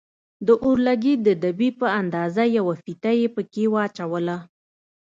د اورلګيت د دبي په اندازه يوه فيته يې پکښې واچوله.